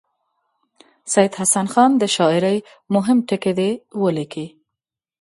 سید حسن خان د شاعرۍ مهم ټکي دې ولیکي.